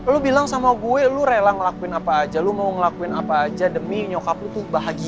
lu bilang sama gue lu rela ngelakuin apa aja lu mau ngelakuin apa aja demi nyokap lu tuh bahagia